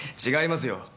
違いますよ